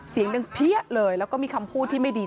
เสียงดังเพี้ยเลยแล้วก็มีคำพูดที่ไม่ดี